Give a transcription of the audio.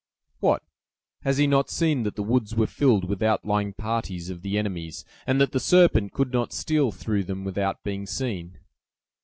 "What! has he not seen that the woods were filled with outlying parties of the enemies, and that the serpent could not steal through them without being seen?